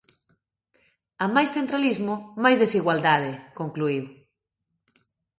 A máis centralismo, máis desigualdade, concluíu.